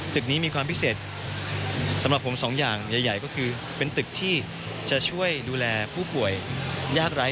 ตึกนี้มีความพิเศษสำหรับผมสองอย่างใหญ่ก็คือเป็นตึกที่จะช่วยดูแลผู้ป่วยยากไร้